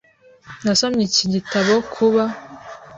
Nasomye iki gitabo kuba